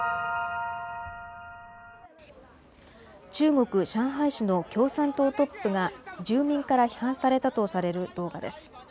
中国・上海市の共産党トップが住民から批判されたとされる動画です。